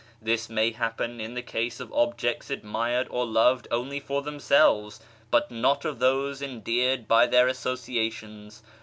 This may happen in the case of objects admired or loved only for themselves, but not of those endeared by their associations.